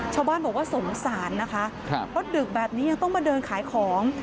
ชาวบ้านบอกว่าสงสารนะคะเพราะดึกแบบนี้ยังต้องมาเดินขายของ